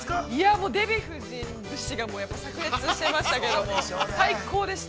◆もうデヴィ夫人節が、炸裂していましたけども、最高でした。